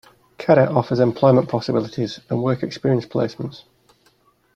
Cadw offers employment possibilities and work experience placements.